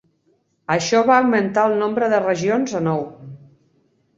Això va augmentar el nombre de regions a nou.